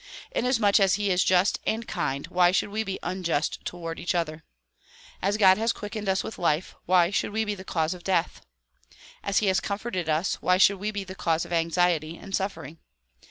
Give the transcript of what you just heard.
Inasmuch as he is just and kind why should we be unjust toward each other ? As God has quickened us with life why should we be the cause of death? As he has comforted us why should we be the cause of anxiety and suffering?